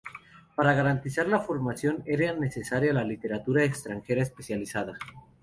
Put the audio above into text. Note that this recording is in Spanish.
Para garantizar la formación era necesaria la literatura extranjera especializada.